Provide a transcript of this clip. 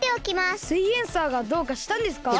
「すイエんサー」がどうかしたんですか？